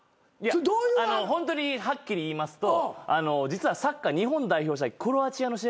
あのホントにはっきり言いますと実はサッカー日本代表の試合